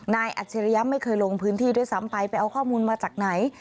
อัจฉริยะไม่เคยลงพื้นที่ด้วยซ้ำไปไปเอาข้อมูลมาจากไหน